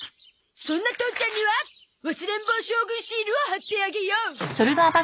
そんな父ちゃんには忘れん坊将軍シールを貼ってあげよう。